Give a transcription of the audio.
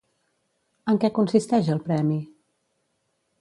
En què consisteix el premi?